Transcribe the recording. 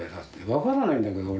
分からないんだけど俺。